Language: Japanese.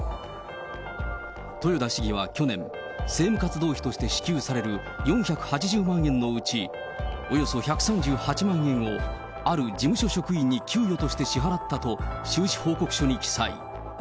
豊田市議は去年、政務活動費として支給される４８０万円のうち、およそ１３８万円をある事務所職員に給与として支払ったと、収支報告書に記載。